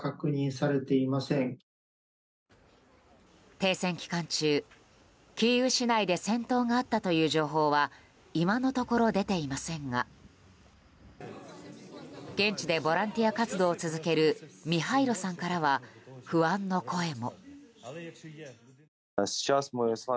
停戦期間中キーウ市内で戦闘があったという情報は今のところ出ていませんが現地でボランティア活動を続けるミハイロさんからは不安の声も。